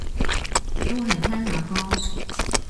都係聽下歌